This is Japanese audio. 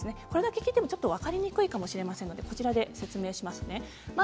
これだけ聞いてもちょっと分かりにくいかもしれませんのでこちらで説明しますね。